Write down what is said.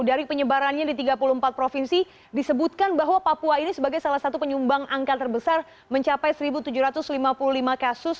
dari penyebarannya di tiga puluh empat provinsi disebutkan bahwa papua ini sebagai salah satu penyumbang angka terbesar mencapai satu tujuh ratus lima puluh lima kasus